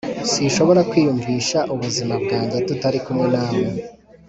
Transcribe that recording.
sinshobora kwiyumvisha ubuzima bwanjye tutari kumwe nawe.